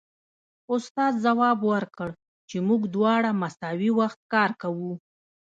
استاد ځواب ورکړ چې موږ دواړه مساوي وخت کار کوو